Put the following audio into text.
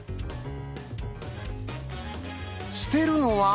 捨てるのは。